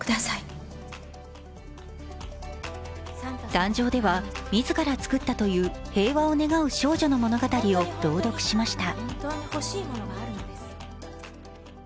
壇上では、自ら作ったという平和を願う少女の物語を朗読しました。